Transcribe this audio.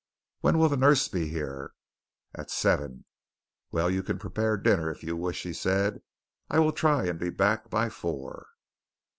"When will the nurse be here?" "At seven." "Well, you can prepare dinner, if you wish," he said. "I will try and be back by four."